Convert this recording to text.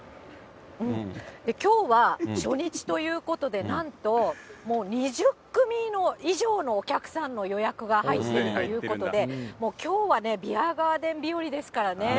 きょうは初日ということで、なんともう２０組以上のお客さんの予約が入っているということで、もう、きょうはね、ビアガーデン日和ですからね。